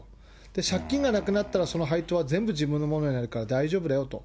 借金がなくなったら、その配当は全部、自分のものになるから大丈夫だよと。